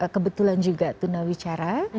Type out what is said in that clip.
kebetulan juga tunda bicara